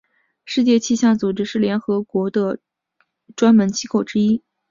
世界气象组织是联合国的专门机构之一。